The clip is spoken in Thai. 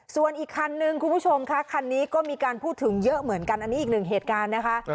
ส่วนอีกคันนึงคุณผู้ชมค่ะคันนี้ก็มีการพูดถึงเยอะเหมือนกันอันนี้อีกหนึ่งเหตุการณ์นะคะ